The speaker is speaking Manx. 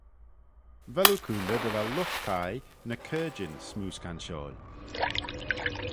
Vel oo coontey dy vel lught thie ny caarjyn smoo scanshoil?